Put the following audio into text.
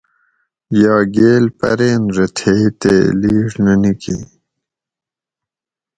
یا گیل پرین رہ تھیئے تے لِیڛ نہ نِکیں